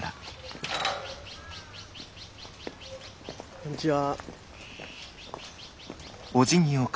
こんにちは。